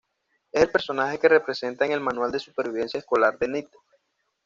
Es el personaje que representa en el manual de supervivencia escolar de Ned.